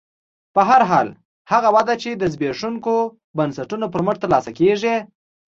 په هر حال هغه وده چې د زبېښونکو بنسټونو پر مټ ترلاسه کېږي